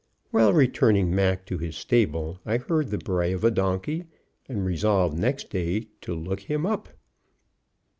While returning Mac to his stable I heard the bray of a donkey, and resolved next day to look him up.